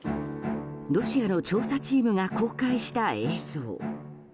ロシアの調査チームが公開した映像。